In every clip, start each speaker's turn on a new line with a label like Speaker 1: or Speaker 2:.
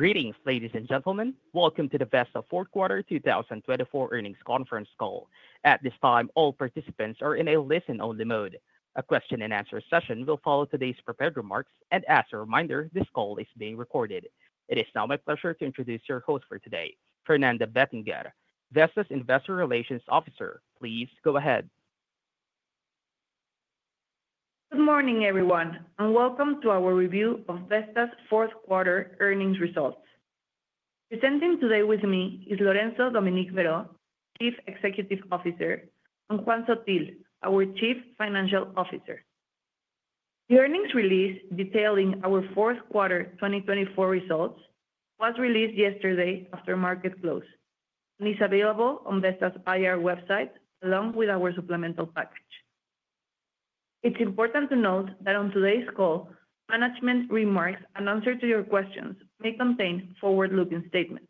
Speaker 1: Greetings, ladies and gentlemen. Welcome to the Vesta Fourth Quarter 2024 Earnings Conference Call. At this time, all participants are in a listen only mode. A question and answer session will follow today's prepared remarks, and as a reminder, this call is being recorded. It is now my pleasure to introduce your host for today, Fernanda Bettinger, Vesta's Investor Relations Officer. Please go ahead.
Speaker 2: Good morning everyone and welcome to our review of Vesta's fourth quarter earnings results. Presenting today with me is Lorenzo D. Berho, Chief Executive Officer and Juan Sottil, our Chief Financial Officer. The earnings release detailing our fourth quarter 2024 results was released yesterday after market close and is available on Vesta's IR website along with our supplemental package. It's important to note that on today's call, management remarks and answers to your questions may contain forward-looking statements.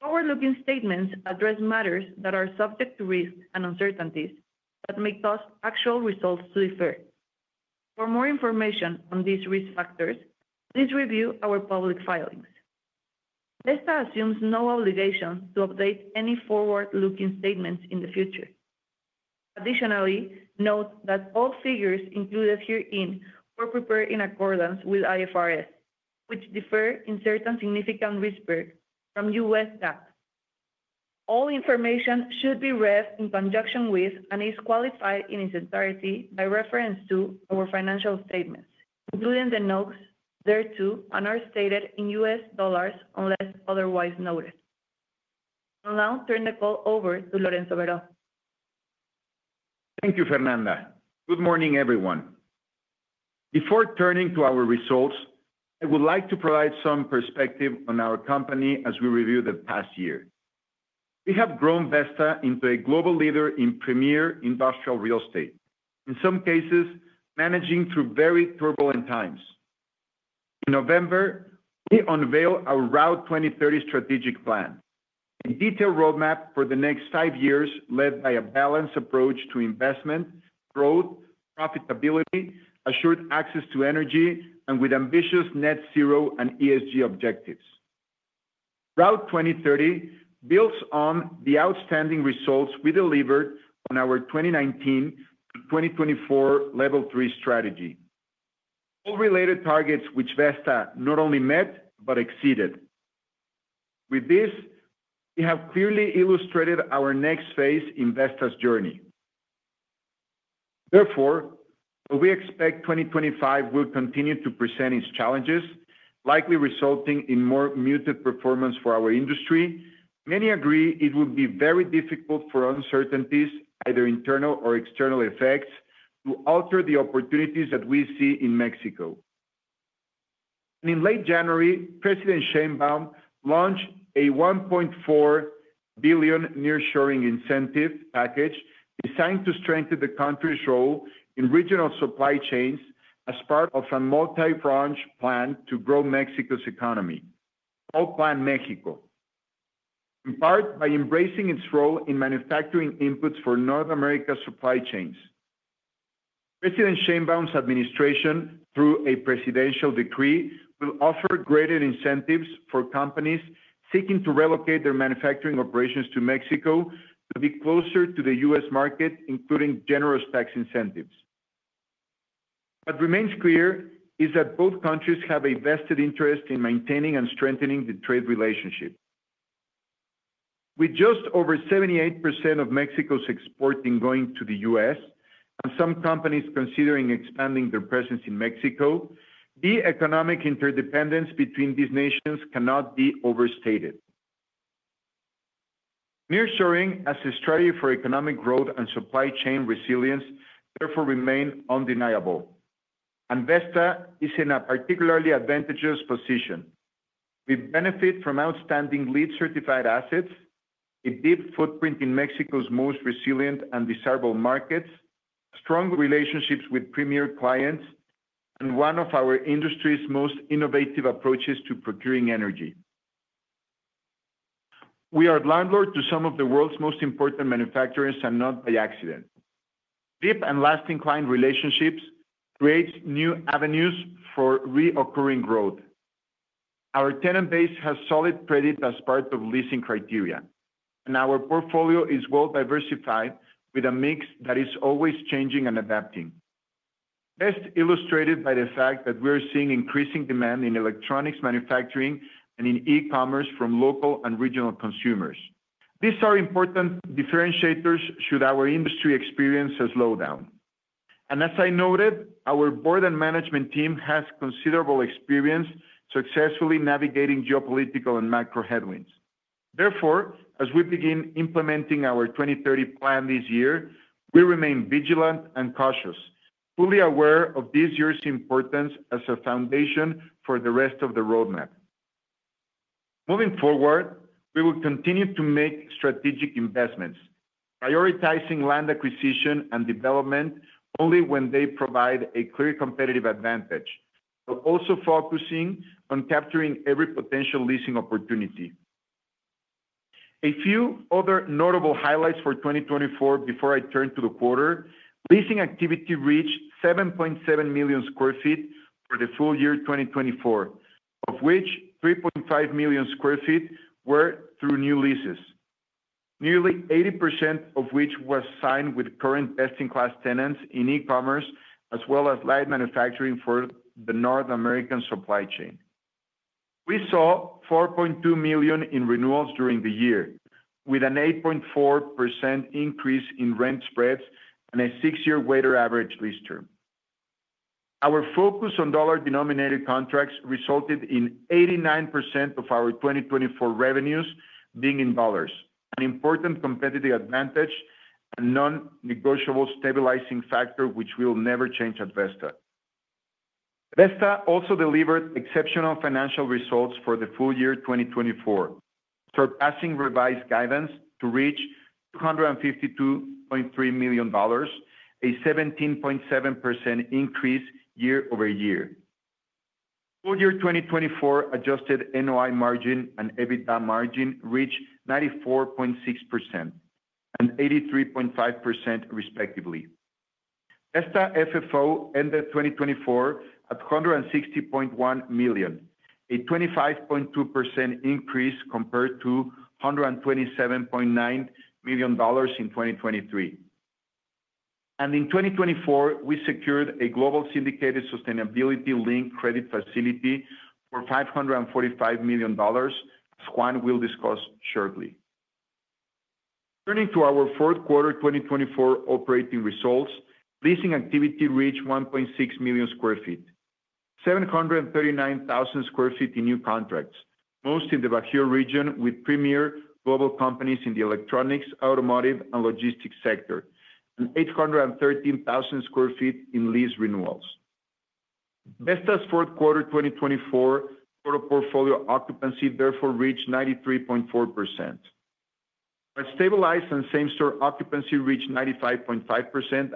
Speaker 2: Forward-looking statements address matters that are subject to risks and uncertainties that may cause actual results to differ. For more information on these risk factors, please review our public filings. Vesta assumes no obligation to update any forward-looking statements in the future. Additionally, note that all figures included herein were prepared in accordance with IFRS which differ in certain significant respects from U.S. GAAP. All information should be read in conjunction with and is qualified in its entirety by reference to our financial statements, including the notes thereto, and are stated in U.S. dollars unless otherwise noted. Now turn the call over to Lorenzo Berho.
Speaker 3: Thank you, Fernanda. Good morning everyone. Before turning to our results, I would like to provide some perspective on our company. As we review the past year, we have grown Vesta into a global leader in premier industrial real estate, in some cases managing through very turbulent times. In November, we unveiled our Route 2030 strategic plan, a detailed roadmap for the next five years led by a balanced approach to investment growth, profitability, assured access to energy and with ambitious net zero and ESG objectives. Route 2030 builds on the outstanding results we delivered on our 2019-2024 Level 3 Strategy. All related targets, which Vesta not only met, but exceeded. With this, we have clearly illustrated our next phase in Vesta's journey. Therefore, we expect 2025 will continue to present its challenges, likely resulting in more muted performance for our industry. Many agree it will be very difficult for uncertainties and either internal or external effects to alter the opportunities that we see in Mexico. In late January, President Sheinbaum launched a $1.4 billion nearshoring incentive package designed to strengthen the country's role in regional supply chains as part of a multi-pronged plan to grow Mexico's economy, to quicken Mexico in part by embracing its role in manufacturing inputs for North American supply chains. President Sheinbaum's administration, through a presidential decree, will offer greater incentives for companies seeking to relocate their manufacturing operations to Mexico to be closer to the U.S. market, including generous tax incentives. What remains clear is that both countries have a vested interest in maintaining and strengthening the trade relationship. With just over 78% of Mexico's exporting going to the U.S. and some companies considering expanding their presence in Mexico, the economic interdependence between these nations cannot be overstated. Nearshoring as a strategy for economic growth and supply chain resilience therefore remain undeniable and Vesta is in a particularly advantageous position. We benefit from outstanding LEED-certified assets, a deep footprint in Mexico's most resilient and desirable markets, strong relationships with premier clients, and one of our industry's most innovative approaches to procuring energy. We are landlord to some of the world's most important manufacturers and not by accident, deep and lasting client relationships creates new avenues for recurring growth. Our tenant base has solid credit as part of leasing criteria, and our portfolio is well diversified with a mix that is always changing and adapting, best illustrated by the fact that we are seeing increasing demand in electronics manufacturing and in e-commerce from local and regional consumers. These are important differentiators should our industry experience a slowdown, and as I noted, our board and management team has considerable experience successfully navigating geopolitical and macro headwinds. Therefore, as we begin implementing our 2030 plan this year, we remain vigilant and cautious, fully aware of this year's importance as a foundation for the rest of the roadmap. Moving forward, we will continue to make strategic investments, prioritizing land acquisition and development, only when they provide a clear competitive advantage, but also focusing on capturing every potential leasing opportunity. A few other notable highlights for 2024 before I turn to the leasing activity reached 7.7 million sq ft for the full year 2024, of which 3.5 million sq ft were through new leases, nearly 80% of which was signed with current best-in-class tenants in e-commerce as well as light manufacturing for the North American supply chain. We saw 4.2 million in renewals during the year with an 8.4% increase in rent spreads and a 6-year weighted average lease term. Our focus on dollar-denominated contracts resulted in 89% of our 2024 revenues being in dollars, an important competitive advantage, a non-negotiable stabilizing factor which will never change at Vesta. Vesta also delivered exceptional financial results for the full year 2024, surpassing revised guidance to reach $252.3 million, a 17.7% increase year over year. Full-year 2024 Adjusted NOI margin and EBITDA margin reached 94.6% and 83.5%, respectively. FFO ended 2024 at $160.1 million, a 25.2% increase compared to $127.9 million in 2023. In 2024 we secured a global syndicated sustainability-linked credit facility for $545 million. Juan will discuss shortly. Turning to our fourth quarter 2024 operating results, leasing activity reached 1.6 million sq ft, 739,000 sq ft in new contracts, most in the Bajío region with premier global companies in the electronics, automotive and logistics sector and 813,000 sq ft in lease renewals. Vesta's fourth quarter 2024 total portfolio occupancy therefore reached 93.4%. Our stabilized and same store occupancy reached 95.5%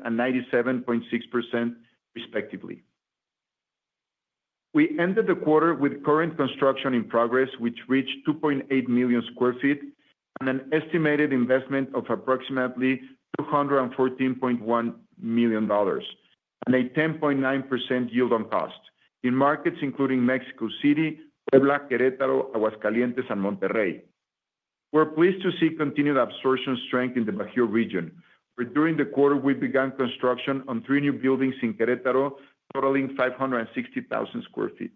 Speaker 3: and 97.6%, respectively. We ended the quarter with current construction in progress which reached 2.8 million sq ft and an estimated investment of approximately $214.1 million and a 10.9% yield on cost in markets including Mexico City, Puebla, Querétaro, Aguascalientes and Monterrey. We're pleased to see continued absorption strength in the Bajío region. During the quarter, we began construction on three new buildings in Querétaro totaling 560,000 sq ft.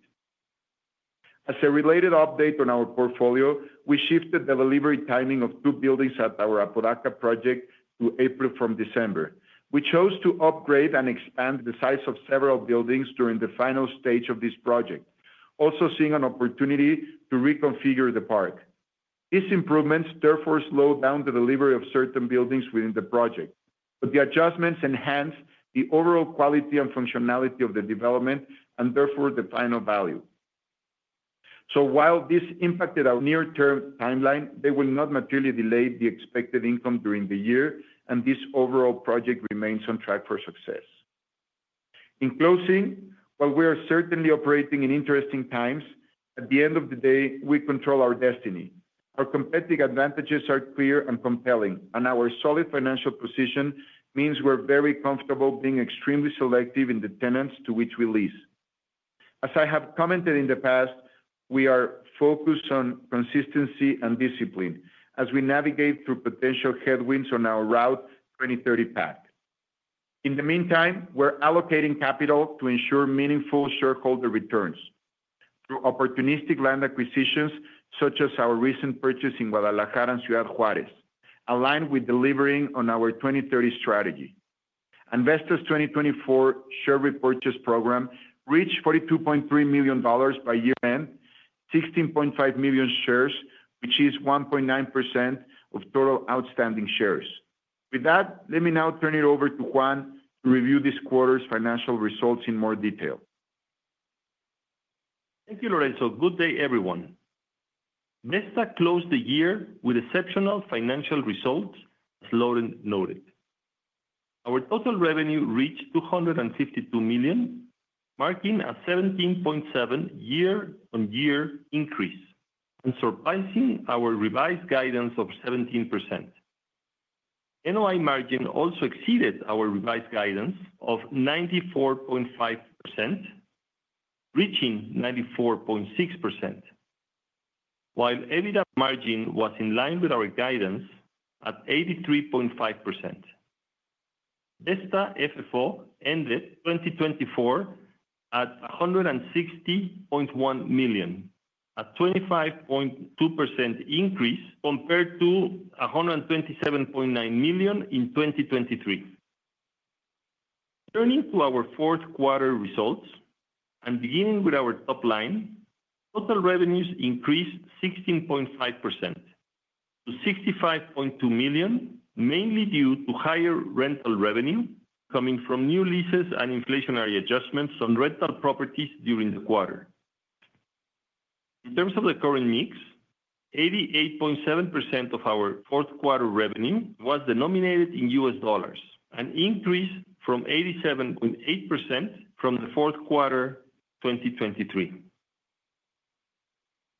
Speaker 3: As a related update on our portfolio, we shifted the delivery timing of two buildings at our Apodaca project to April from December. We chose to upgrade and expand the size of several buildings during the final stage of this project, also seeing an opportunity to reconfigure the park. These improvements therefore slowed down the delivery of certain buildings within the project, but the adjustments enhance the overall quality and functionality of the development and therefore the final value. So while this impacted our near term timeline, they will not materially delay the expected income during the year and this overall project remains on track for success. In closing, while we are certainly operating in interesting times, at the end of the day we control our destiny, our competitive advantages are clear and compelling and our solid financial position means we're very comfortable being extremely selective in the tenants to which we lease. As I have commented in the past, we are focused on consistency and discipline and as we navigate through potential headwinds on our Route 2030 path. In the meantime, we're allocating capital to ensure meaningful shareholder returns through opportunistic land acquisitions such as our recent purchase in Guadalajara and Ciudad Juárez. Aligned with delivering on our 2030 strategy, Vesta's 2024 share repurchase program reached $42.3 million by year-end, 16.5 million shares, which is 1.9% of total outstanding shares. With that, let me now turn it over to Juan to review this quarter's financial results in more detail.
Speaker 4: Thank you Lorenzo. Good day everyone. Vesta closed the year with exceptional financial results. As Lorenzo noted, our total revenue reached $252 million, marking a 17.7% year on year increase and surpassing our revised guidance of 17%. NOI margin also exceeded our revised guidance of 94.5%, reaching 94.6% while EBITDA margin was in line with our guidance at 83.5%. Vesta FFO ended 2024 at $160.1 million, a 25.2% increase compared to $127.9 million in 2023. Turning to our fourth quarter results and beginning with our top line, total revenues increased 16.5% to $65.2 million, mainly due to higher rental revenue coming from new leases and inflationary adjustments on rental properties during the quarter. In terms of the current mix, 88.7% of our fourth quarter revenue was denominated in U.S. dollars, an increase from 87.8% in the fourth quarter 2023.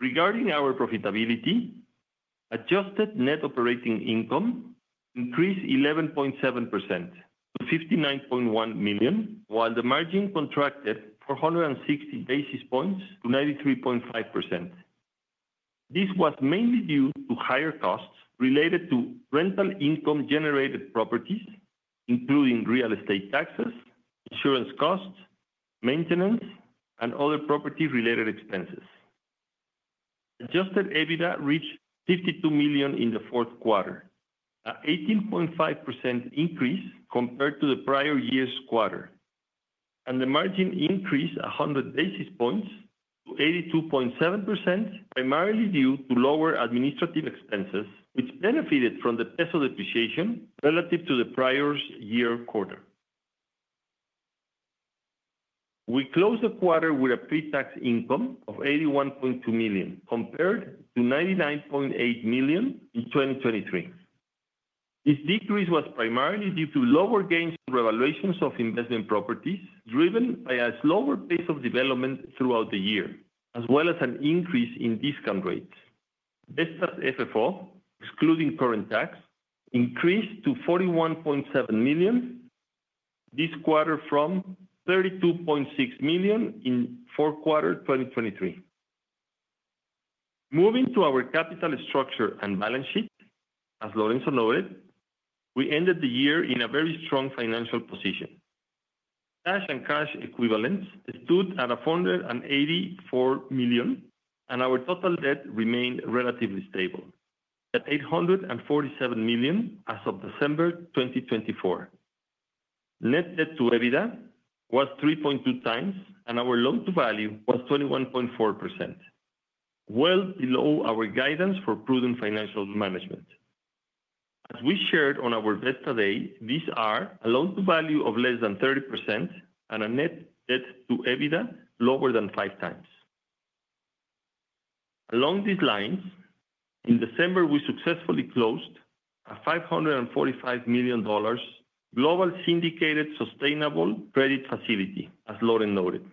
Speaker 4: Regarding our profitability, adjusted net operating income increased 11.7% to $59.1 million, while the margin contracted four hundred and sixty basis points to 93.5%. This was mainly due to higher costs related to rental income generated properties including real estate taxes, insurance costs, maintenance and other property related expenses. Adjusted EBITDA reached $52 million in the fourth quarter, an 18.5% increase compared to the prior year's quarter, and the margin increased 100 basis points to 82.7% primarily due to lower administrative expenses which benefited from the peso depreciation relative to the prior year quarter. We closed the quarter with a pre-tax income of $81.2 million compared to $99.8 million in 2023. This decrease was primarily due to lower gains in revaluations of investment properties driven by a slower pace of development throughout the year as well as an increase in discount rates. Vesta's FFO excluding current tax increased to $41.7 million this quarter from $32.6 million in fourth quarter 2023. Moving to our capital structure and balance sheet, as Lorenzo noted, we ended the year in a very strong financial position. Cash and cash equivalents stood at $484 million and our total debt remained relatively stable at $847 million. As of December 2024, Net Debt to EBITDA was 3.2 times and our loan to value was 21.4%, well below our guidance for prudent financial management. As we shared on our Vesta Day, these are a loan to value of less than 30% and a Net Debt to EBITDA lower than five times. Along these lines, in December we successfully closed a $545 million global syndicated sustainable credit facility. As Lorenzo noted,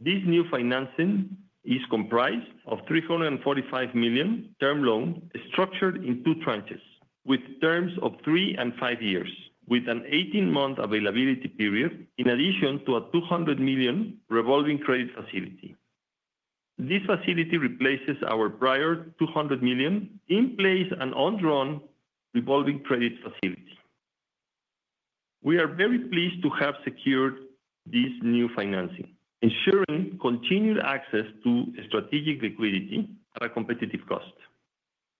Speaker 4: this new financing is comprised of $345 million term loan structured in two tranches with terms of three and five years with an 18-month availability period. In addition to a $200 million revolving credit facility. This facility replaces our prior $200 million in place and undrawn revolving credit facility. We are very pleased to have secured this new financing, ensuring continued access to strategic liquidity at a competitive cost.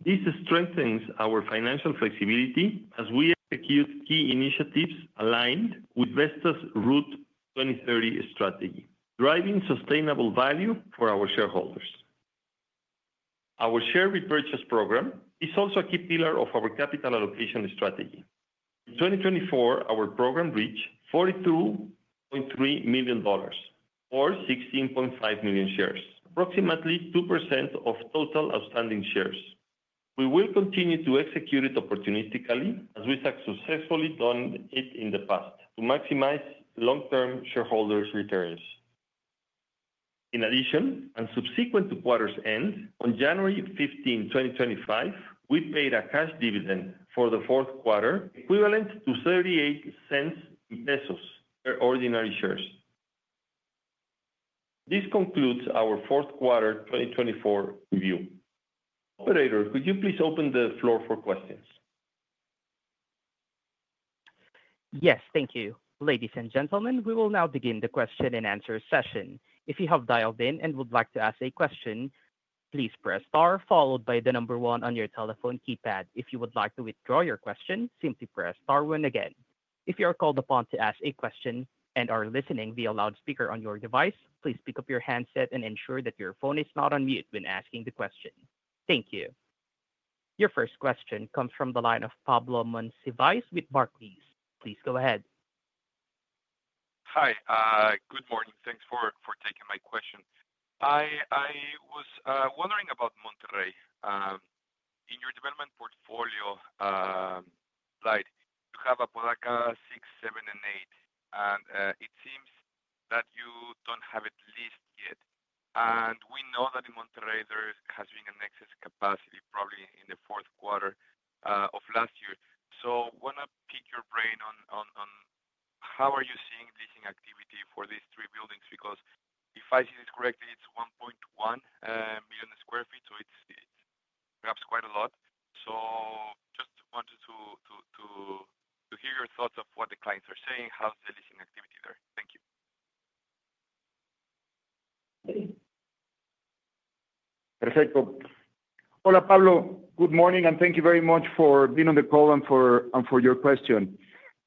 Speaker 4: This strengthens our financial flexibility as we execute key initiatives aligned with Vesta's Route 2030 strategy driving sustainable value for our shareholders. Our share repurchase program is also a key pillar of our capital allocation strategy. In 2024 our program reached $42.3 million or 16.5 million shares, approximately 2% of total outstanding shares. We will continue to execute it opportunistically as we successfully done it in the past to maximize long term shareholders returns. In addition and subsequent to quarter's end, on January 15, 2025, we paid a cash dividend for the fourth quarter equivalent to 0.38 in pesos per ordinary shares. This concludes our fourth quarter 2024 review. Operator, could you please open the floor for questions?
Speaker 1: Yes, thank you. Ladies and gentlemen, we will now begin the question and answer session. If you have dialed in and would like to ask a question, please press star followed by the number one on your telephone keypad. If you would like to withdraw your question, simply press star one again. If you are called upon to ask a question and are listening via loudspeaker on your device, please pick up your handset and ensure that your phone is not on mute when asking the question. Thank you. Your first question comes from the line of Pablo Monsivais with Barclays. Please go ahead.
Speaker 5: Hi, good morning. Thanks for taking my question. I was wondering about Monterrey in your development portfolio slide. You have an Apodaca 6, 7 and 8 and it seems that you don't have at least, and we know that in Monterrey there has been an excess capacity probably in the fourth quarter of last year. So want to pick your brain on how are you seeing leasing activity for these three buildings? Because if I see this correctly, it's 1.1 million sq ft. So it's perhaps quite a lot. So just wanted to hear your thoughts of what the clients are saying. How's the leasing activity there? Thank you.
Speaker 3: Hola Pablo. Good morning and thank you very much for being on the call and for your question.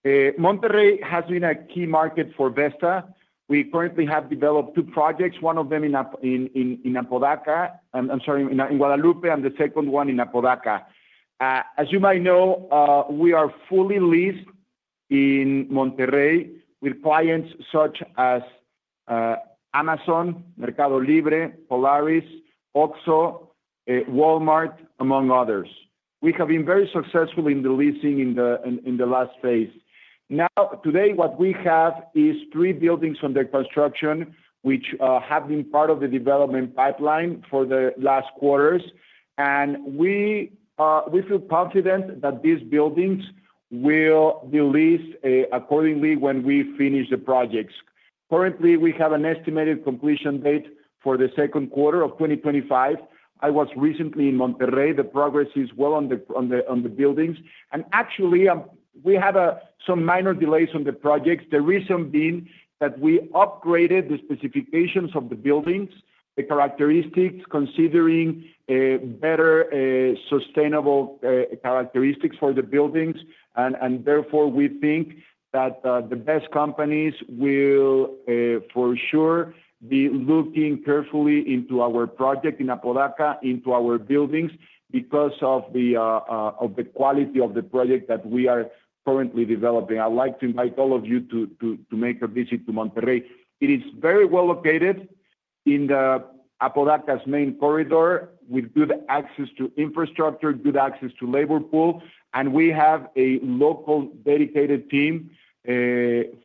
Speaker 3: Monterrey has been a key market for Vesta. We currently have developed two projects, one of them in Apodaca, I'm sorry, in Guadalupe and the second one in Apodaca. As you might know, we are fully leased in Monterrey with clients such as Amazon, Mercado Libre, Polaris, Oxxo, Walmart, among others. We have been very successful in the leasing in the last phase. Now today what we have is three buildings under construction which have been part of the development pipeline for the last quarters. We feel confident that these buildings will be leased accordingly when we finish the projects. Currently we have an estimated completion date for the second quarter of 2025. I was recently in Monterrey. The progress is well on the buildings and actually we had some minor delays on the projects. The reason being that we upgraded the specifications of the buildings' characteristics, considering better sustainable characteristics for the buildings, and therefore we think that the best companies will for sure be looking carefully into our project in Apodaca, into our buildings, because of the quality of the project that we are currently developing. I'd like to invite all of you to make a visit to Monterrey. It is very well located in the Apodaca's main corridor with good access to infrastructure, good access to labor pool, and we have a local dedicated team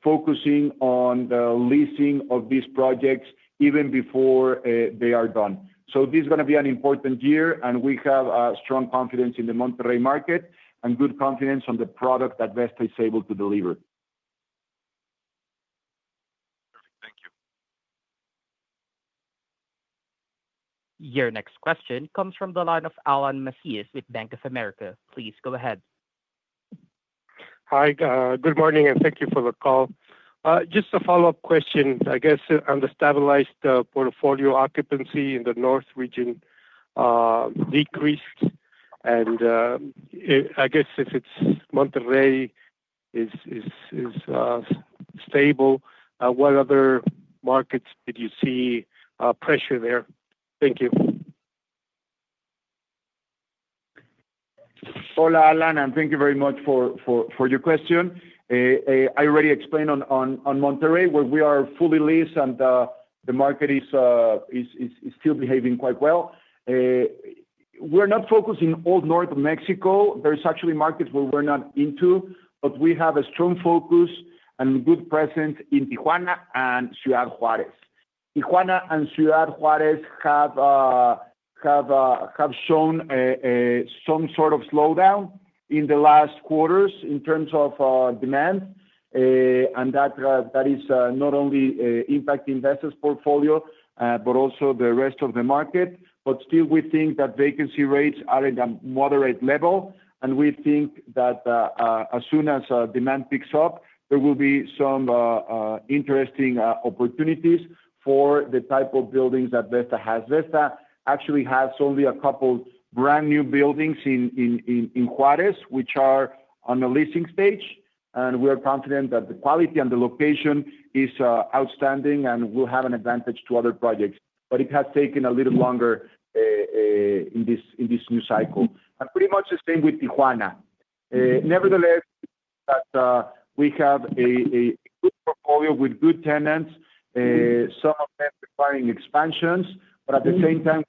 Speaker 3: focusing on the leasing of these projects even before they are done. So this is going to be an important year and we have strong confidence in the Monterrey market and good confidence on the product that Vesta is able to deliver.
Speaker 5: Perfect, thank you.
Speaker 1: Your next question comes from the line of Alan Macias with Bank of America. Please go ahead.
Speaker 6: Hi, good morning, and thank you for the call. Just a follow-up question, I guess under stabilized portfolio occupancy in the north region decreased, and I guess if it's Monterrey is stable. What other markets did you see pressure there? Thank you.
Speaker 3: Hola Alan, and thank you very much for your question. I already explained on Monterrey, where we are fully leased and the market is still behaving quite well and we're not focused in all north of Mexico. There's actually markets where we're not into, but we have a strong focus and good presence in Tijuana and Ciudad Juárez. Tijuana and Ciudad Juárez have shown some sort of slowdown in the last quarters in terms of demand and that is not only impacting Vesta's portfolio but also the rest of the market. But still we think that vacancy rates are at a moderate level and we think that as soon as demand picks up there will be some interesting opportunities for the type of buildings that Vesta has. Vesta actually has only a couple brand new buildings in Juárez which are on the leasing stage and we are confident that the quality and the location is outstanding and will have an advantage to other projects, but it has taken a little longer in this new cycle. And pretty much the same with Tijuana. Nevertheless, we have a portfolio with good tenants, some of them requiring expansions, but at the same time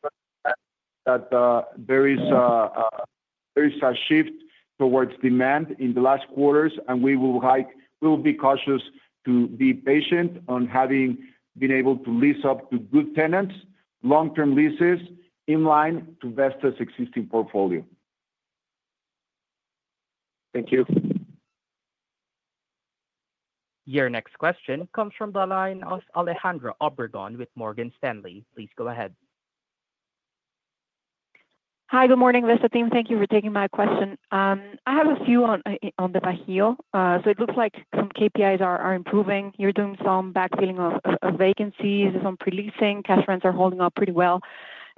Speaker 3: that there is a shift towards demand in the last quarters, and we will hike, we will be cautious to be patient on having been able to lease up to good tenants long-term leases in line to Vesta's existing portfolio.
Speaker 6: Thank you.
Speaker 1: Your next question comes from the line of Alejandra Obregón with Morgan Stanley. Please go ahead.
Speaker 7: Hi, good morning Vesta team. Thank you for taking my question. I have a few on the Bajío. So it looks like some KPIs are improving. You're doing some backfilling of vacancies on pre-leasing. Cash rents are holding up pretty well.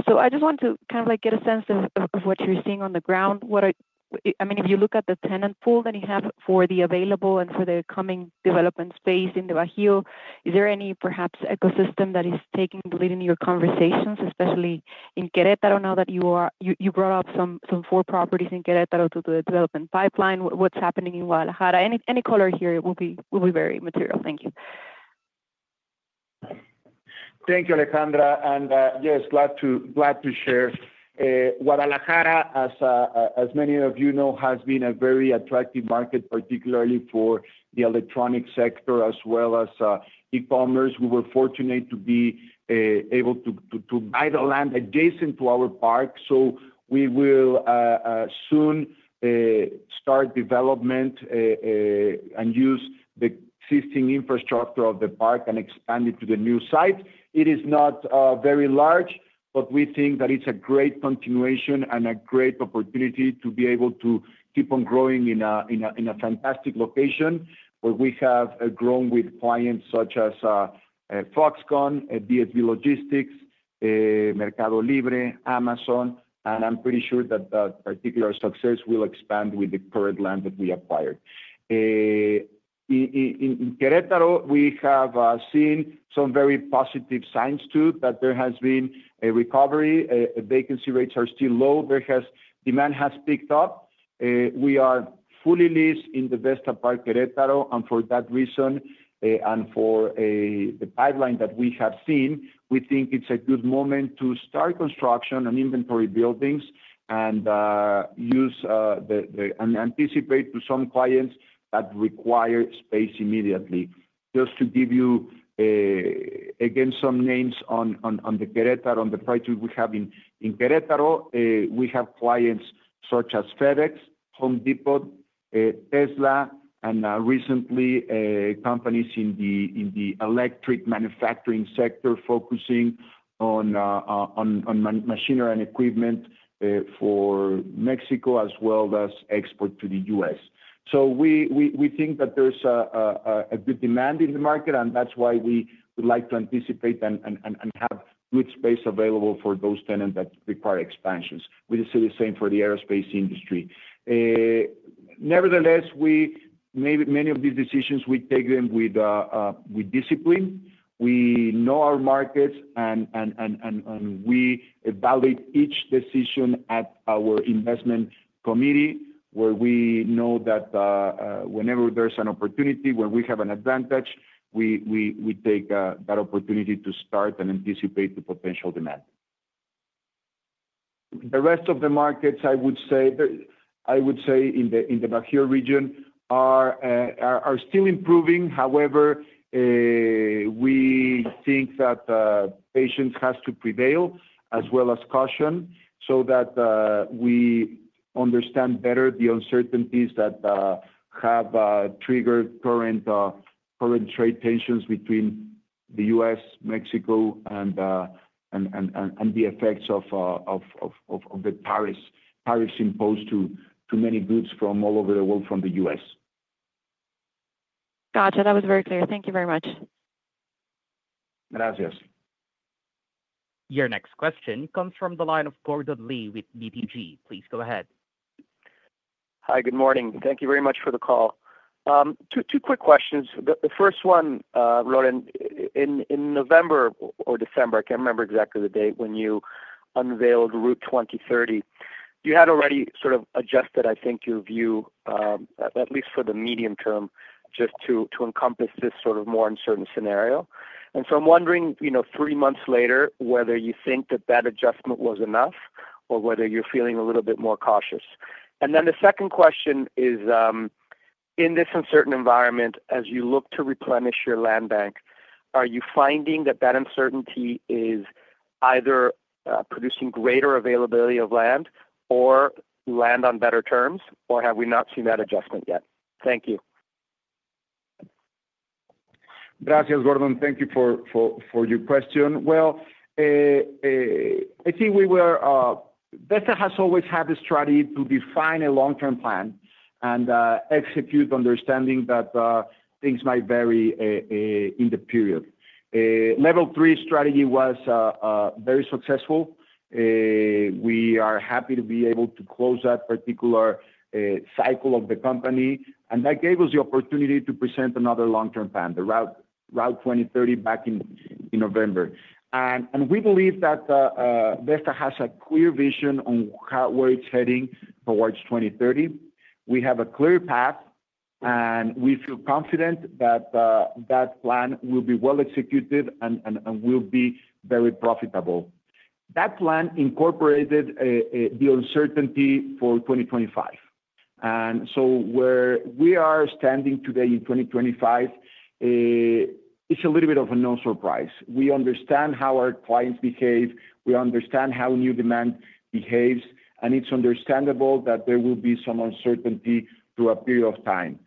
Speaker 7: So I just want to kind of like get a sense of what you're seeing on the ground. I mean if you look at the tenant pool that you have for the available and for the coming development space in the Bajío, is there any perhaps ecosystem that is taking the lead in your conversations, especially in Querétaro? Now that you brought up some four properties in Querétaro to the development pipeline. What's happening in Guadalajara, any color here will be very material. Thank you.
Speaker 3: Thank you, Alejandra. And yes, glad to share. Guadalajara, as many of you know, has been a very attractive market, particularly for the electronics sector as well as e-commerce. We were fortunate to be able to buy the land adjacent to our park. So we will soon start development and use the existing infrastructure of the park and expand it to the new site. It is not very large, but we think that it's a great continuation and a great opportunity to be able to keep on growing in a fantastic location where we have grown with clients such as Foxconn, DSV Logistics, Mercado Libre, Amazon, and I'm pretty sure that particular success will expand with the current land that we acquired. In Querétaro, we have seen some very positive signs too that there has been a recovery. Vacancy rates are still low. Demand has picked up. We are fully leased in the Vesta Park Querétaro, and for that reason and for the pipeline that we have seen, we think it's a good moment to start construction and inventory buildings and use and anticipate to some clients that require space immediately. Just to give you again some names on the Querétaro, on the project we have in Querétaro, we have clients such as FedEx, Home Depot, Tesla, and recently companies in the electric manufacturing sector focusing on machinery and equipment for Mexico as well as export to the U.S., so we think that there's a good demand in the market and that's why we would like to anticipate and have good space available for those tenants that require expansions. We see the same for the aerospace industry. Nevertheless, we made many of these decisions. We take them with discipline. We know our markets and we evaluate each decision at our investment committee, where we know that whenever there's an opportunity, when we have an advantage, we take that opportunity to start and anticipate the potential demand. The rest of the markets, I would say, in the Bajío region are still improving. However, we think that patience has to prevail as well as caution so that we understand better the uncertainties that have triggered current trade tensions between the U.S. and Mexico and the effects of the tariffs imposed on many goods from all over the world from the U.S.
Speaker 7: Gotcha. That was very clear. Thank you very much.
Speaker 3: Gracias.
Speaker 1: Your next question comes from the line of Gordon Lee with BTG. Please go ahead.
Speaker 8: Hi, good morning. Thank you very much for the call. Two quick questions. The first one, Lorenzo, in November or December, I can't remember exactly the date when you unveiled Route 2030, you had already sort of adjusted, I think your view, at least for the medium term, just to encompass this sort of more uncertain scenario, and so I'm wondering three months later, whether you think that that adjustment was, or whether you're feeling a little bit more cautious, and then the second question is, in this uncertain environment, as you look to replenish your land bank, are you finding that that uncertainty is either producing greater availability of land or land on better terms, or have we not seen that adjustment yet? Thank you.
Speaker 3: Gracias. Gordon, thank you for your question. Well, I think what Vesta has always had a strategy to define a long-term plan and execute understanding that things might vary in the period. Level 3 Strategy was very successful. We are happy to be able to close that particular cycle of the company. That gave us the opportunity to present another long-term plan, the Route 2030 back in November. We believe that Vesta has a cool, clear vision on where it's heading towards 2030. We have a clear path and we feel confident that that plan will be well executed and will be very profitable. That plan incorporated the uncertainty for 2025. So where we are standing today in 2025, it's a little bit of a no surprise. We understand how our clients behave. We understand how new demand behaves, and it's understandable that there will be some uncertainty through a period of time.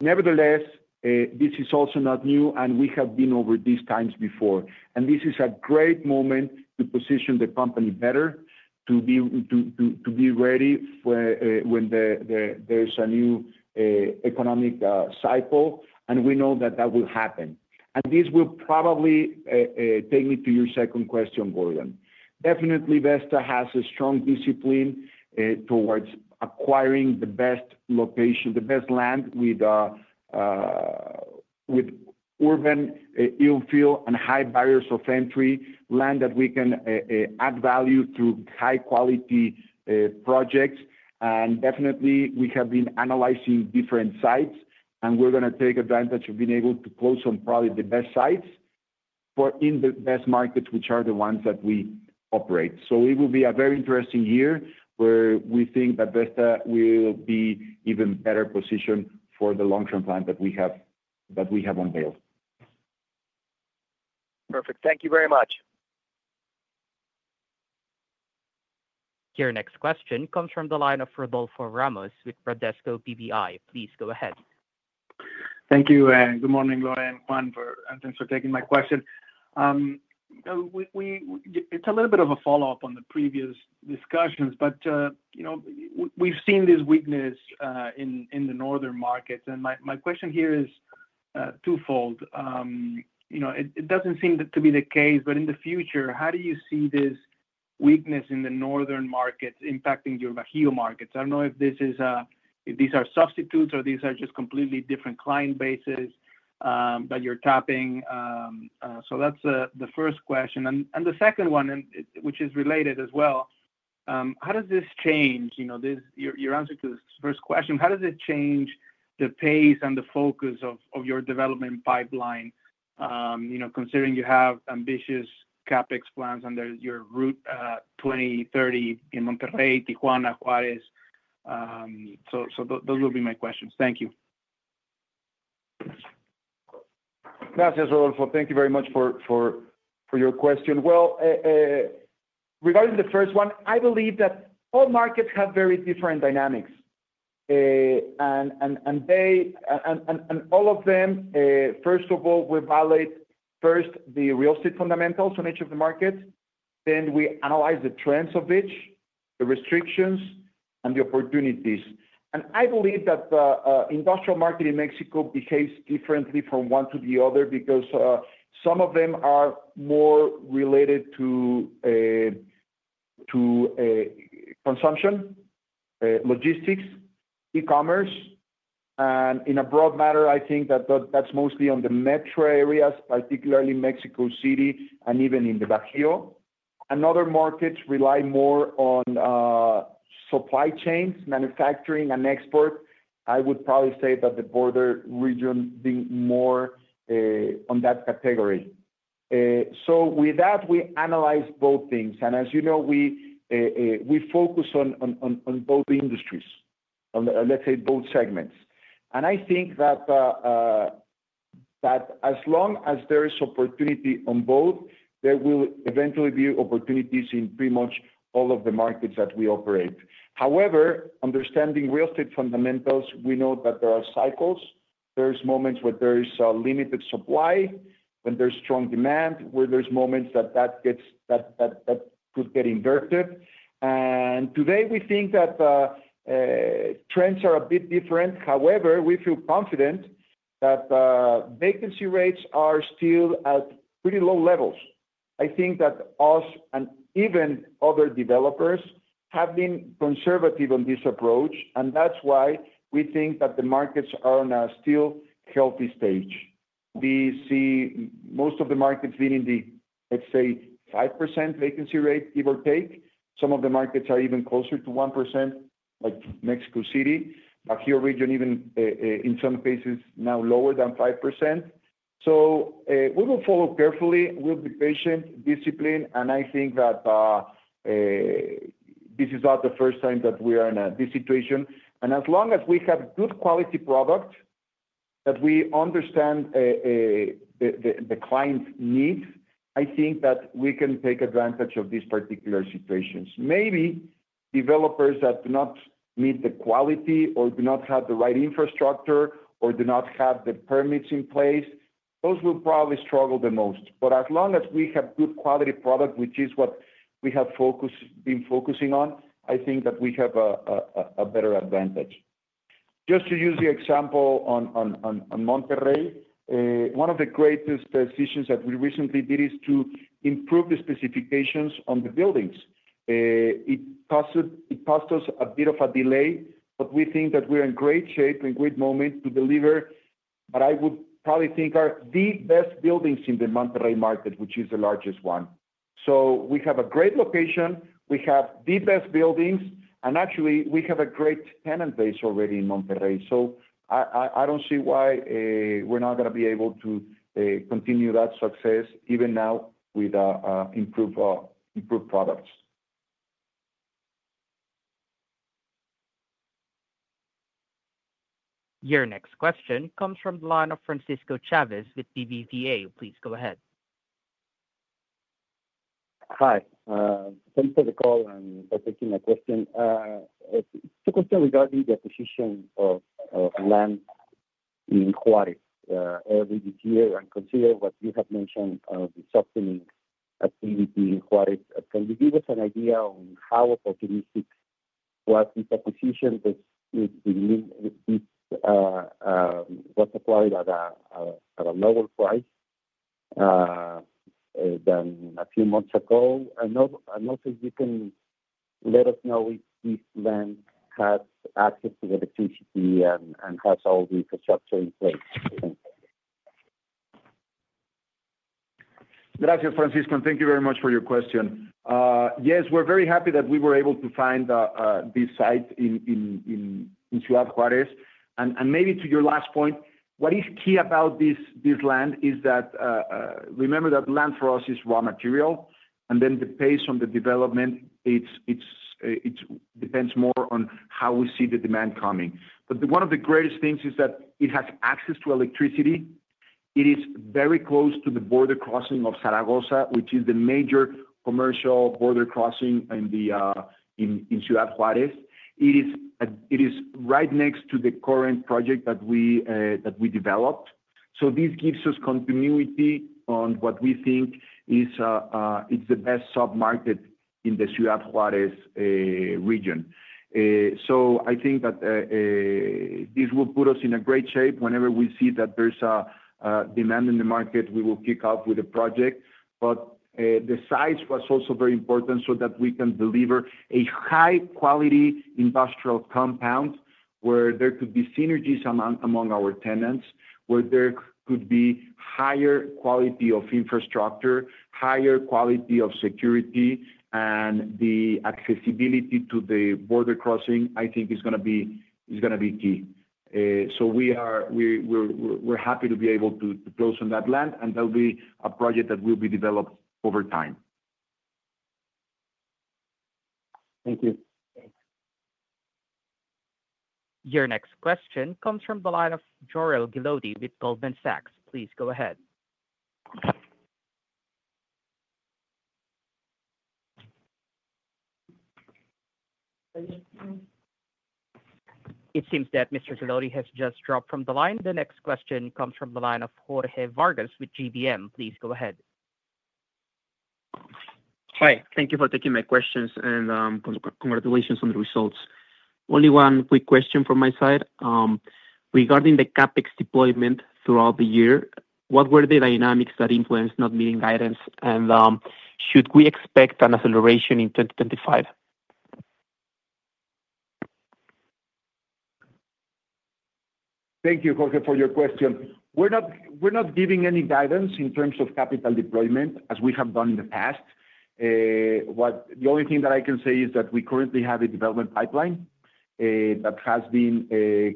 Speaker 3: Nevertheless, this is also not new, and we have been over these times before, and this is a great moment to position the company better. To be ready when there is a new economic cycle and we know that that will happen. And this will probably take me to your second question, Gordon. Definitely Vesta has a strong discipline towards acquiring the best location, the best land. With urban infill and high barriers of entry, land that we can add value through high quality projects. And definitely we have been analyzing different sites and we're going to take advantage of being able to close on probably the best sites in the best markets, which are the ones that we operate. So it will be a very interesting year where we think that Vesta will be even better positioned for the long term plan that we have, that we have unveiled.
Speaker 8: Perfect. Thank you very much.
Speaker 1: Your next question comes from the line of Rodolfo Ramos with Bradesco BBI. Please go ahead.
Speaker 9: Thank you and good morning. Lorenzo and Juan, thanks for taking my question. It's a little bit of a follow-up on the previous discussions. But you know, we've seen this weakness in the northern markets and my question here is twofold. You know, it doesn't seem to be the case. But in the future, how do you see this weakness in the northern markets impacting your Bajío markets? I don't know if these are substitutes or these are just completely different client bases that you're tapping. So that's the first question and the second one which is related as well. How does this change, you know, your answer to this first question, how does it change the pace and the focus of your development pipeline? You know, considering you have ambitious CapEx plans under your Route 2030 in Monterrey, Tijuana, Juárez. So those will be my questions. Thank you.
Speaker 3: Thank you very much for your question. Regarding the first one, I believe that all markets have very different dynamics. All of them, first of all, we validate first the real estate fundamentals on each of the markets, then we analyze the trends of each, the restrictions. I believe that industrial market in Mexico behaves differently from one to the other because some of them are more related to consumption, logistics, e-commerce and in a broad manner, I think that that's mostly on the metro areas, particularly Mexico City and even in the Bajío, another market rely more on supply chains, manufacturing and export. I would probably say that the border region being more on that category, so with that we analyze both things and as you know, we focus on both industries, let's say both segments and I think that. As long as there is opportunity on both, there will eventually be opportunities in pretty much all of the markets that we operate. However, understanding real estate fundamentals, we know that there are cycles, there's moments where there is limited supply, when there's strong demand, where there's moments that. Could get inverted, and today we think that trends are a bit different. However, we feel confident that vacancy rates are still at pretty low levels. I think that us and even other developers have been conservative on this approach and that's why we think that the markets are on a still healthy stage. We see most of the markets being in the, let's say, 5% vacancy rate, give or take. Some of the markets are even closer to 1%, like Mexico City, Bajío region, even in some cases now lower than 5%. So we will follow carefully, we'll be patient, disciplined and I think that this is not the first time that we are in this situation and as long as we have good quality product that we understand. The client's needs, I think that we can take advantage of these particular situations. Maybe developers that do not meet the quality or do not have the right infrastructure, or do not have the permits in place, those will probably struggle the most. But as long as we have good quality product, which is what we have been focusing on, I think that we have a better advantage. Just to use the example on Monterrey, one of the greatest decisions that we recently did is to improve the specifications on the buildings. It cost us a bit of a delay, but we think that we're in great shape and great moment to deliver what I would probably think are the best buildings in the Monterrey market, which is the largest one. So we have a great location, we have the best buildings, and actually we have a great tenant base already in Monterrey. So I don't see why we're not going to be able to continue that success even now with improved products.
Speaker 1: Your next question comes from the line of Francisco Chavez with BBVA. Please go ahead.
Speaker 10: Hi, thanks for the call and for taking a question. It's a question regarding the acquisition of land in Juárez. Consider what you have mentioned, the softening activity. Can you give us an idea on how opportunistic was this acquisition was acquired at a lower price? Then a few months ago, and also you can let us know if this land had has all the infrastructure in place.
Speaker 3: Gracias Francisco, thank you very much for your question. Yes, we're very happy that we were able to find this site in Ciudad Juárez. And maybe to your last point, what is key about this land is that remember that land for us is raw material. And then the pace on the development, it depends more on how we see the demand coming. But one of the greatest things is that it has access to electricity. It is very close to the border crossing of Zaragoza, which is the major commercial border crossing in Ciudad Juárez. It is right next to the current project that we developed. So this gives us continuity on what we think is the best submarket in the Ciudad Juárez region. So I think that this will put us in a great shape. Whenever we see that there's a demand in the market, we will kick off with a project. But the size was also very important so that we can deliver a high quality industrial compound where there could be synergies among our tenants, where there could be higher quality of infrastructure, higher quality of security. And the accessibility to the border crossing I think is going to be key. So we are happy to be able to close on that land and that will be a project that will be developed over time.
Speaker 10: Thank you.
Speaker 1: Your next question comes from the line of Jorel Guilloty with Goldman Sachs. Please go ahead. It seems that Mr. Guilloty has just dropped from the line. The next question comes from the line of Jorge Vargas with GBM. Please go ahead.
Speaker 11: Hi, thank you for taking my questions. Congratulations on the results. Only one quick question from my side regarding the CapEx deployment throughout the year. What were the dynamics that influenced not meeting guidance and should we expect an acceleration in 2025?
Speaker 3: Thank you Jorge, for your question. We're not giving any guidance in terms of capital deployment as we have done in the past. The only thing that I can say is that we currently have a development pipeline that has been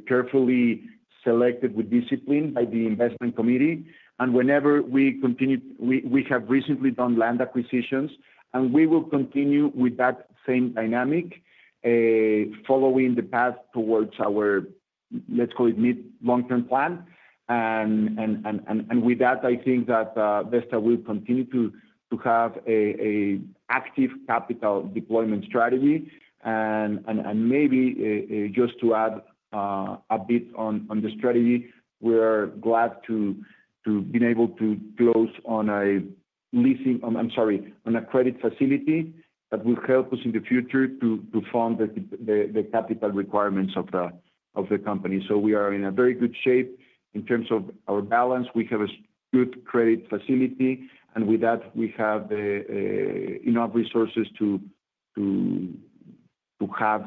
Speaker 3: carefully selected with discipline by the investment committee, and whenever we continue, we have recently done land acquisitions and we will continue with that same dynamic following the path towards our, let's call it, mid long term plan. With that, I think that Vesta will continue to have an active capital deployment strategy. Maybe just to add a bit on the strategy, we are glad to be able to close on a leasing, I'm sorry, on a credit facility that will help us in the future to fund the capital requirements of the company. We are in a very good shape in terms of our balance. We have a good credit facility and with that we have enough resources to have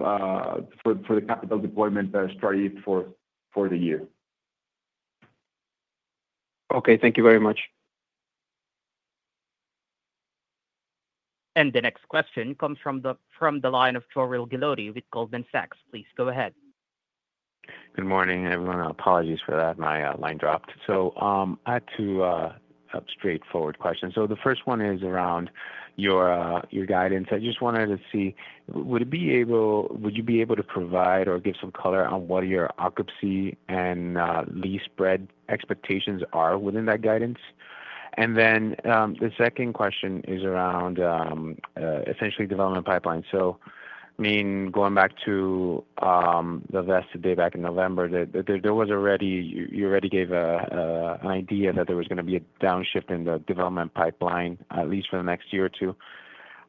Speaker 3: for the capital deployment strategy for the year.
Speaker 11: Okay, thank you very much.
Speaker 1: The next question comes from the line of Jorel Guilloty with Goldman Sachs. Please go ahead.
Speaker 12: Good morning everyone. Apologies for that. My line dropped. So I had two straightforward questions. So the first one is around your guidance. I just wanted to see would it be able, would you be able to provide or give some color on what your occupancy and lease spread expectations are within that guidance? And then the second question is around essentially development pipeline. So I mean, going back to the Vesta Day back in November, there was already, you already gave an idea that there was going to be a downshift in the development pipeline, at least for the next year or two.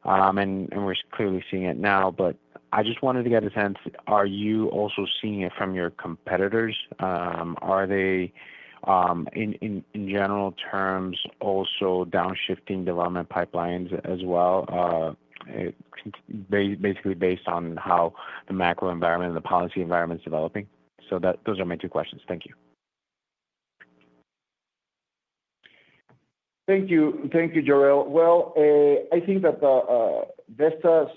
Speaker 12: And we're clearly seeing it now. But I just wanted to get a sense, are you also seeing it from your competitors? Are they in general terms, also downshifting development pipelines as well. Basically based on how the macro environment and the policy environment is developing? So those are my two questions. Thank you.
Speaker 3: Thank you. Thank you, Jorel. Well, I think that Vesta,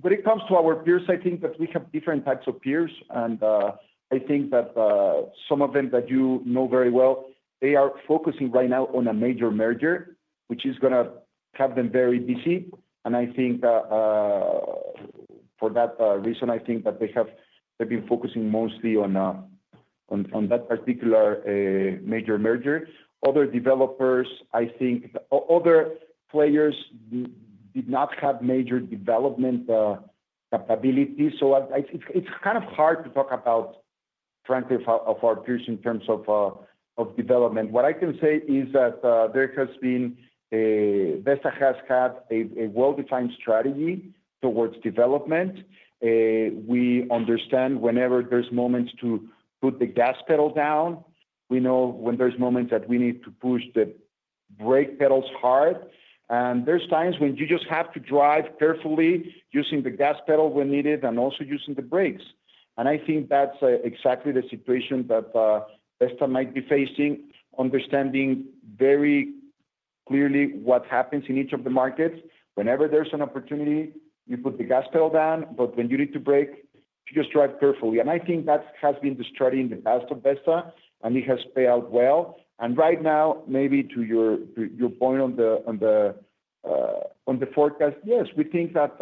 Speaker 3: when it comes to our peers, I think that we have different types of peers and I think that some of them that you know very well, they are focusing right now on a major merger which is going to have them very busy. And I think. For that reason, I think that they have, they've been focusing mostly on that particular major merger. Other developers, I think other players did not have major development capabilities. So it's kind of hard to talk about, frankly, of our peers in terms of development. What I can say is that there has been, Vesta has had a well defined strategy towards development. We understand whenever there's moments to put the gas pedal down, we know when there's moments that we need to push the brake pedals hard, and there's times when you just have to drive carefully using the gas pedal when needed and also using the brakes, and I think that's exactly the situation that Vesta might be facing, understanding very clearly what happens in each of the markets. Whenever there's an opportunity, you put the gas pedal down. But when you need to brake, you just drive carefully. And I think that has been the story in the past of Vesta and it has paid out well. And right now, maybe to your point on the forecast. Yes, we think that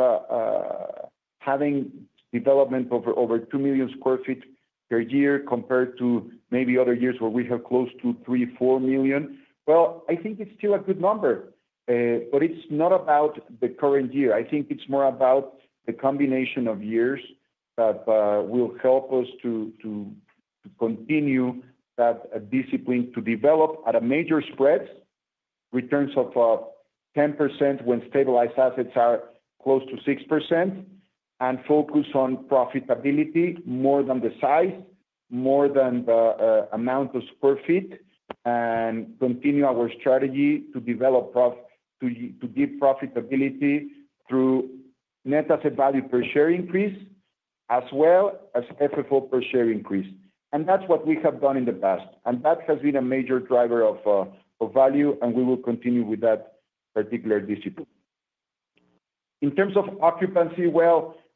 Speaker 3: having development over 2 million sq ft per year compared to maybe other years where we have close to 3 million-4 million. I think it's still a good number, but it's not about the current year. I think it's more about the combination of years that will help us to continue that discipline to develop at a major spread returns of 10% when stabilized assets are close to 6% and focus on profitability more than the size, more than the amount of square feet, and continue our strategy to develop to give profitability through net asset value per share increase as well as FFO per share increase, and that's what we have done in the past and that has been a major driver of value and we will continue with that particular discipline. In terms of occupancy,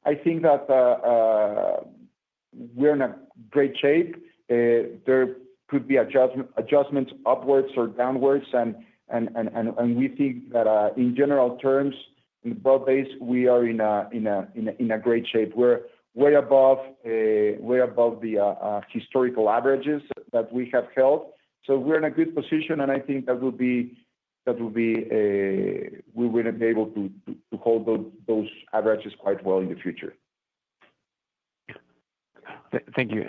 Speaker 3: I think that we're in a great shape. There could be adjustments upwards or downwards, and we think that in general terms in the broad base we are in a great shape. We're way above, way above the historical averages that we have held. So we're in a good position and I think that will be, we will be able to hold those averages quite well in the future.
Speaker 12: Thank you.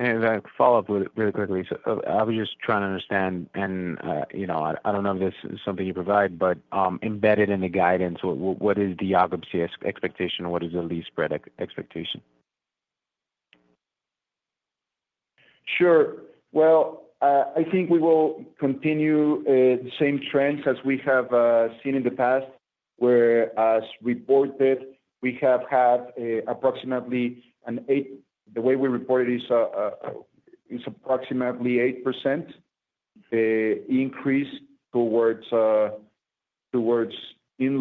Speaker 12: Follow up really quickly. I was just trying to understand and you know, I don't know if this is something you provide but embedded guidance. What is the lease expectation? What is the lease spread expectation?
Speaker 3: Sure. Well, I think we will continue the same trends as we have seen in the past where as reported we have had approximately an 8%. The way we reported is approximately 8% the increase towards in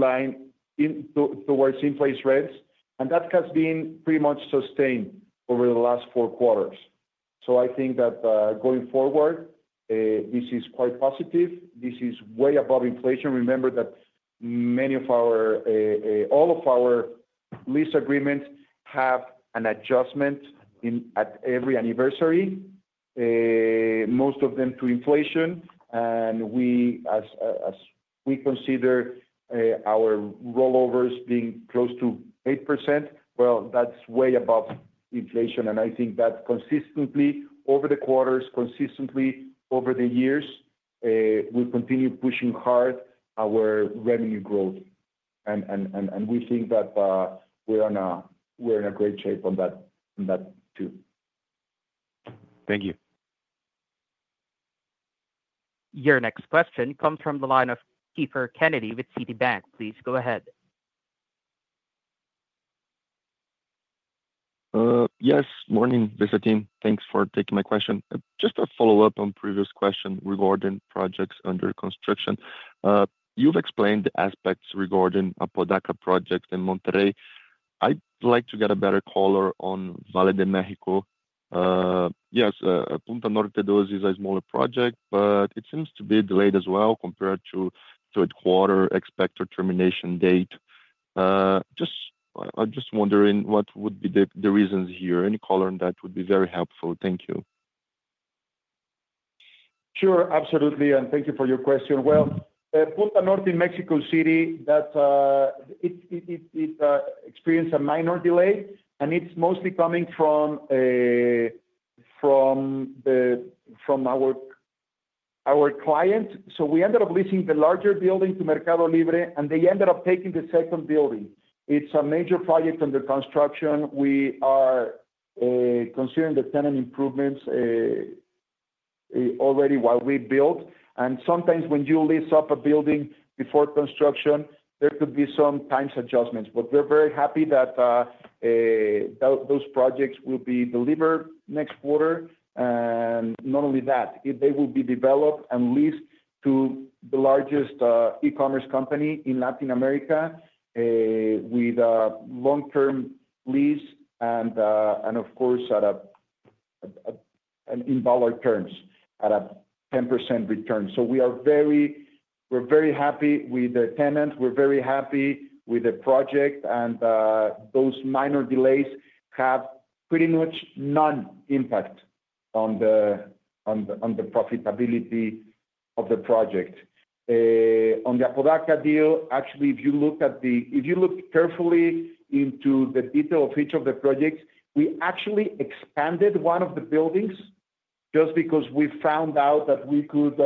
Speaker 3: place rents. And that has been pretty much sustained over the last four quarters. So I think that going forward this is quite positive. This is way above inflation. Remember that many of our, all of our lease agreements have an adjustment at every anniversary. Most of them to inflation. And we, as we consider our rollovers being close to 8%. Well, that's way above inflation. And I think that consistently over the quarters, consistently over the years we continue pushing hard our revenue growth, and we think that we're on a, we're in a great shape on that too.
Speaker 12: Thank you.
Speaker 1: Your next question comes from the line of Kiepher Kennedy with Citibank. Please go ahead.
Speaker 13: Yes. Morning, Vesta team. Thanks for taking my question. Just a follow up on previous question regarding projects under construction. You've explained the aspects regarding Apodaca project in Monterrey. I'd like to get a better color on Valle de México. Yes, Punta Norte Dos is a smaller project but it seems to be delayed as well compared to third quarter expected termination date. I'm just wondering what would be the reasons here. Any color on that would be very helpful. Thank you.
Speaker 3: Sure, absolutely. And thank you for your question. Well, Punta Norte in Mexico City that, it experienced a minor delay and it's mostly coming from our client. So we ended up leasing the larger building to Mercado Libre and they ended up taking the second building. It's a major project under construction. We are considering the tenant improvements already, while we built. And sometimes, when you lease up a building before construction, there could be some time adjustments. But we're very happy that those projects will be delivered next quarter. Not only that, they will be developed and leased to the largest e-commerce company in Latin America with a long-term lease and, of course in dollar terms at a 10% return. So we are very, we're very happy with the tenants, we're very happy with the project. And those minor delays have pretty much no impact on the, on the profitability of the project. On the Apodaca deal, actually if you look at the, if you look carefully into the detail of each of the projects, we actually expanded one of the buildings just because we found out that we could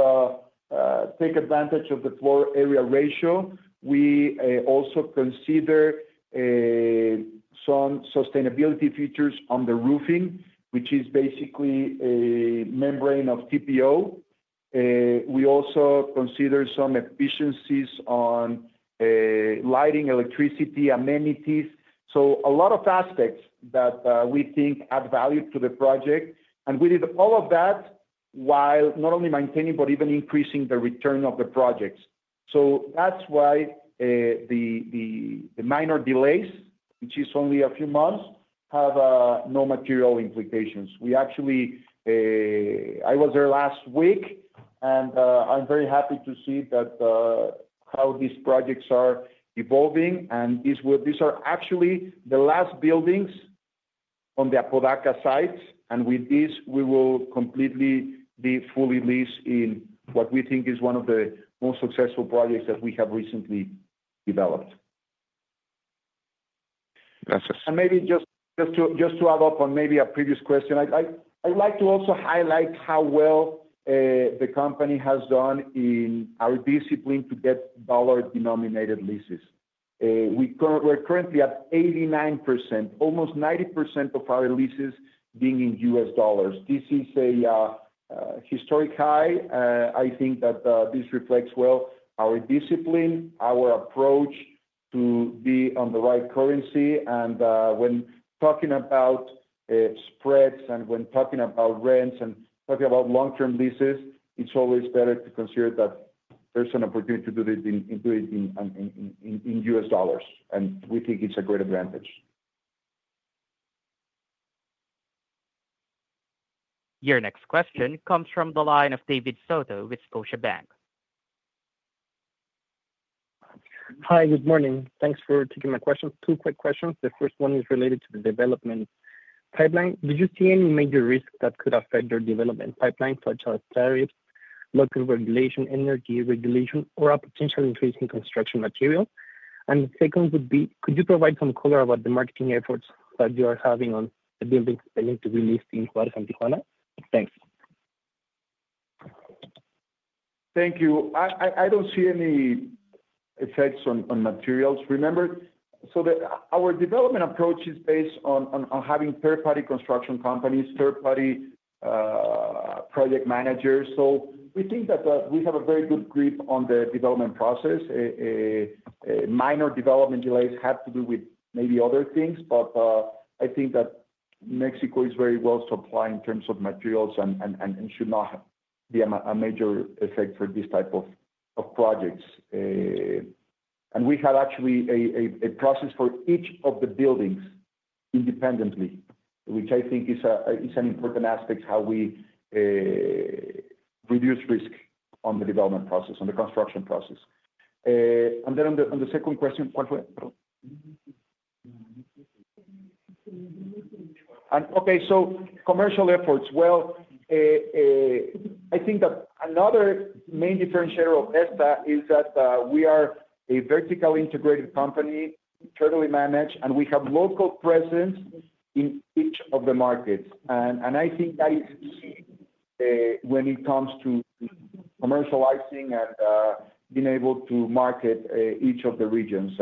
Speaker 3: take advantage of the floor area ratio. We also consider some sustainability features on the roofing, which is basically a membrane of TPO. We also consider some efficiencies on lighting, electricity, amenities. A lot of aspects that we think add value to the project. We did all of that while not only maintaining but even increasing the return of the projects. That's why the minor delays, which is only a few months, have no material implications. Actually, I was there last week and I'm very happy to see how these projects are evolving. These are actually the last buildings on the Apodaca site. With this we will completely be fully leased in what we think is one of the most successful projects that we have recently developed. Maybe just to add up on maybe a previous question, I'd like to also highlight how well the company has done in our discipline to get dollar denominated leases. We're currently at 89%, almost 90% of our leases being in U.S. dollars. This is a historic high. I think that this reflects well our discipline, our approach to be on the right currency. When talking about spreads and when talking about rents and talking about long term leases, it's always better to consider that there's an opportunity to do it in U.S. dollars. We think it's a great advantage.
Speaker 1: Your next question comes from the line of David Soto with Scotiabank.
Speaker 14: Hi, good morning. Thanks for taking my questions. Two quick questions. The first one is related to the development pipeline. Did you see any major risk that could affect your development pipeline, such as tariffs, local regulation, energy regulation, or a potential increase in construction material? And second would be, could you provide some color about the marketing efforts that you are having on the buildings that need to be listed in Juárez and Tijuana? Thanks.
Speaker 3: Thank you. I don't see any effects on materials, remember. So our development approach is based on having third party construction companies, third party project managers. So we think that we have a very good grip on the development process. Minor development delays have to do with maybe other things, but I think that Mexico is very well supplied in terms of materials and should not be a major effect for this type of projects, and we have actually a process for each of the buildings independently, which I think is an important aspect, how we reduce risk on the development process, on the construction process, and then on the second question. Okay, so commercial efforts. Well, I think that another main differentiator of Vesta is that we are a vertically integrated company, totally managed, and we have local presence in each of the markets, and I think that is key when it comes to commercializing and being able to market each of the regions.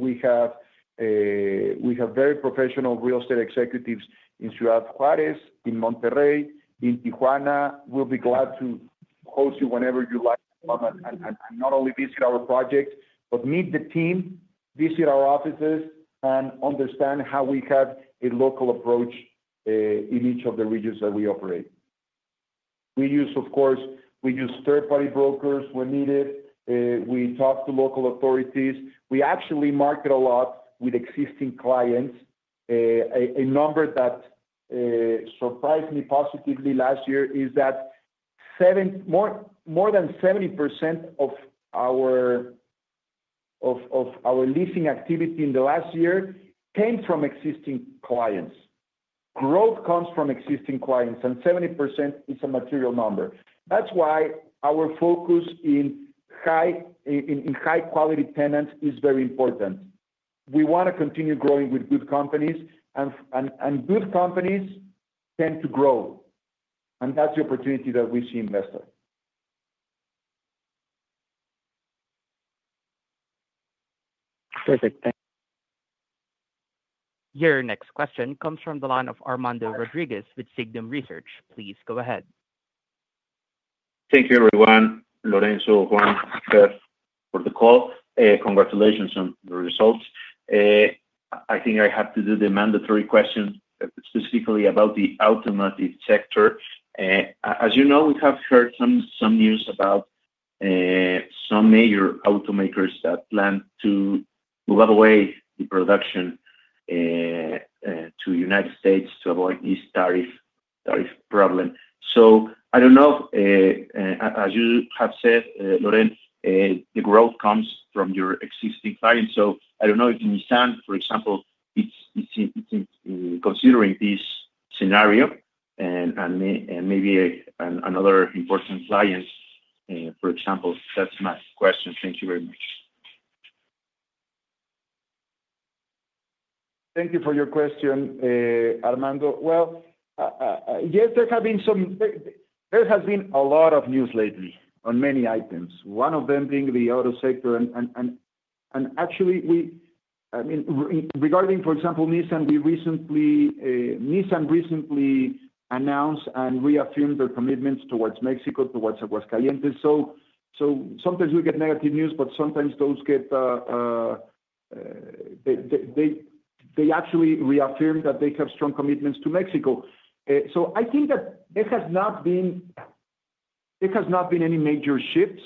Speaker 3: We have very professional real estate executives in Ciudad Juárez, in Monterrey, in Tijuana. We'll be glad to host you whenever you like. Not only visit our project, but meet the team, visit our offices, and understand how we have a local approach in each of the regions that we operate. We use, of course, we use third party brokers when needed. We talk to local authorities. We actually market a lot with existing clients. A number that surprised me positively last year is that more than 70% of our leasing activity in the last year came from existing clients. Growth comes from existing clients and 70% is a material number. That's why our focus having high-quality tenants is very important. We want to continue growing with good companies and good companies tend to grow and that's the opportunity that we see in Vesta.
Speaker 14: Perfect. Thank you.
Speaker 1: Your next question comes from the line of Armando Rodríguez with Signum Research. Please go ahead.
Speaker 15: Thank you, everyone. Lorenzo, Juan for the call, congratulations on the results. I think I have to do the mandatory question specifically about the automotive sector. As you know, we have heard some news about some major automakers that plan to move away the production to the United States to avoid this tariff problem. So, I don't know, as you have said, Lorenzo, the growth comes from your existing clients. So, I don't know if Nissan, for example considering this scenario, and maybe another important client, for example. That's my question. Thank you very much.
Speaker 3: Thank you for your question, Armando. Well, yes, there has been a lot of news lately on many items, one of them being the auto sector and actually we, I mean regarding, for example, Nissan, Nissan recently announced and reaffirmed their commitments towards Mexico, towards Aguascalientes. So sometimes we get negative news, but sometimes those get they actually reaffirm that they have strong commitments to Mexico. So I think that, it has not been any major shifts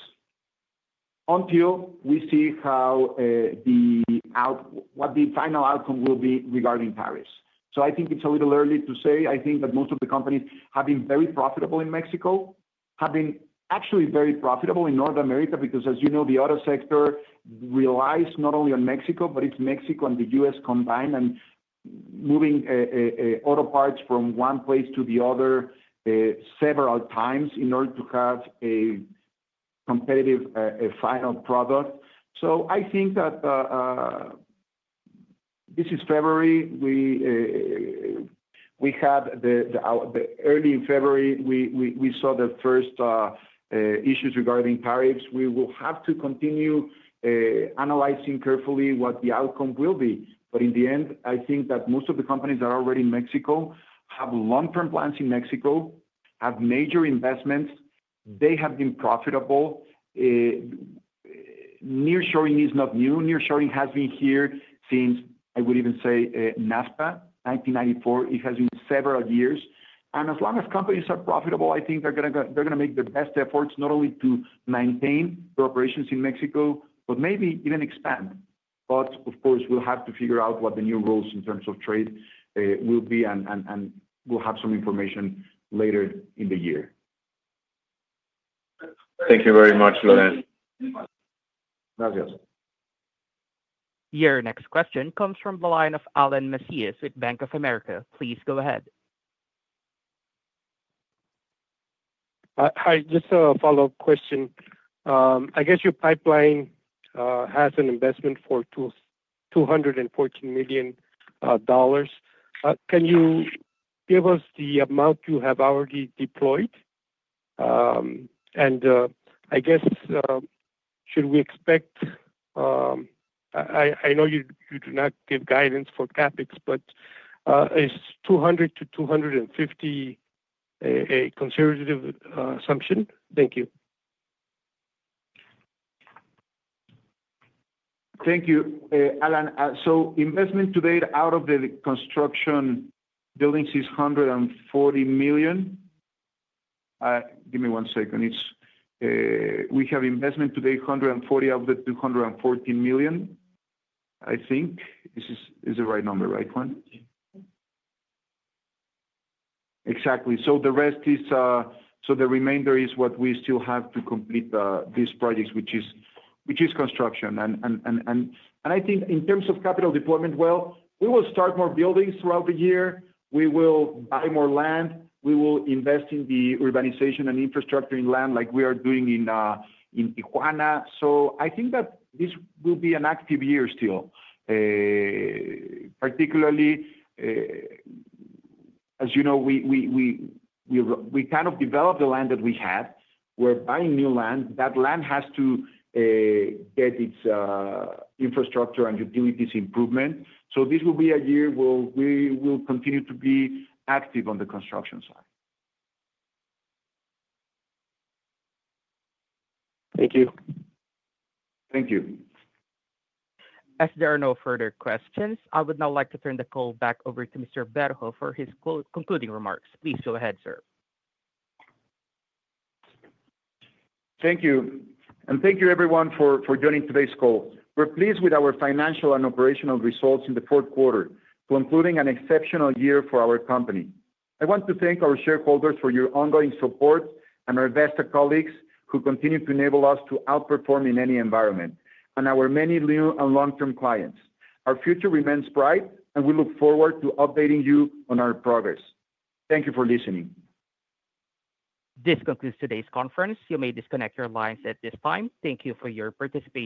Speaker 3: until we see how it turns out what the final outcome will be regarding the tariffs. So I think it's a little early to say. I think that most of the companies have been very profitable in Mexico, have been actually very profitable in North America because as you know, the auto sector relies not only on Mexico, but it's Mexico and the US combined and moving auto parts from one place to the other several times in order to have a competitive final product. So I think that this is February, we had early in February we saw the first issues regarding tariffs. We will have to continue analyzing carefully what the outcome will be. But in the end I think that most of the companies that are already in Mexico have long term plans in Mexico, have major investments, they have been profitable. Nearshoring is not new. Nearshoring has been here since I would even say NAFTA 1994. It has been several years and as long as companies are profitable, I think they're going to make the best efforts not only to maintain their operations in Mexico, but maybe even expand. But of course we'll have to figure out what the new rules in terms of trade will be and we'll have some information later in the year.
Speaker 15: Thank you very much. Lorenzo.
Speaker 1: Your next question comes from the line of Alan Macias with Bank of America. Please go ahead.
Speaker 6: Hi, just a follow-up question. I guess your pipeline has an investment for $214 million. Can you give us the amount you have already deployed? And I guess, should we expect, I know you do not give guidance for CapEx, but it's 200-250, a conservative assumption. Thank you.
Speaker 3: Thank you, Alan. So investment to date out of the construction buildings is $ 140 million. Give me one second. We have investment to date. 140 out of the $214 million. I think this is the right number, right, Juan? Exactly. The remainder is what we still have to complete these projects, which is construction. I think in terms of capital deployment, well, we will start more buildings throughout the year. We will buy more land. We will invest in the urbanization and infrastructure in land, like we are doing in Tijuana. I think that this will be an active year still. Particularly, as you know, we kind of developed the land that we had. We're buying new land. That land has to get its infrastructure and utilities improvement. So this will be a year where we will continue to be active on the construction side.
Speaker 6: Thank you. Thank you.
Speaker 1: As there are no further questions, I would now like to turn the call back over to Mr. Berho for his concluding remarks. Please go ahead, sir.
Speaker 3: Thank you, and thank you everyone for joining today's call. We're pleased with our financial and operational results in the fourth quarter, concluding an exceptional year for our company. I want to thank our shareholders for your ongoing support and our Vesta colleagues who continue to enable us to outperform in any environment and our many new and long-term clients. Our future remains bright and we look forward to updating you on our progress. Thank you for listening.
Speaker 1: This concludes today's conference. You may disconnect your lines at this time. Thank you for your participation.